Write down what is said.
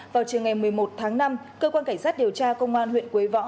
vào trường ngày một mươi một tháng năm cơ quan cảnh sát điều tra công an huyện quế võ